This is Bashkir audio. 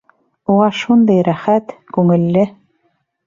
Уға шундай рәхәт, күңелле.